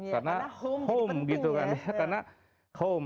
karena home gitu kan